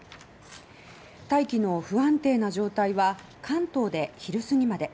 大気の不安定な状態は関東で昼過ぎまで。